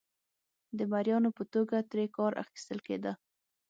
د مریانو په توګه ترې کار اخیستل کېده.